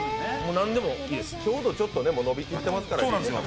ちょうど、ちょっと伸び切ってますから。